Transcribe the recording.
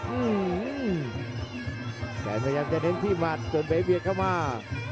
อื้อหือแกพยายามจะเน้นที่มัดตัวเป๋เบียดเข้ามา